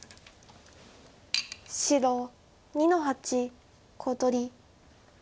白２の八コウ取り。